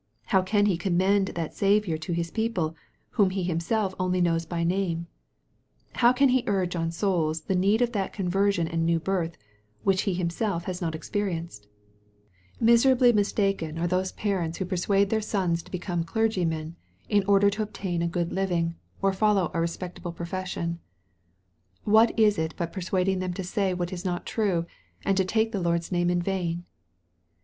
How can he commend that Saviour to his people whom he himself only knows by name ? How can he urge on souls the need of that conversion and new birth, which he him self has not experienced ? Miserably mistaken are those 4 50 EXPOSITORY THOUGHTS. parents who persuade their sons to become clergymen, in order to obtain a good living, or follow a respectable profession ! What is it but persuading them to say what is not true, and to take the Lord's name in vain